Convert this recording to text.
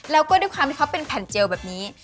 แล้วก็ด้วยความที่เขาเป็นแผ่นเจลแบบนี้